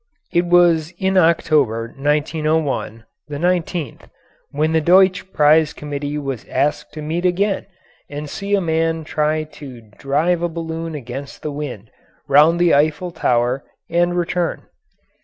It was in October, 1901 (the 19th), when the Deutsch Prize Committee was asked to meet again and see a man try to drive a balloon against the wind, round the Eiffel Tower, and return.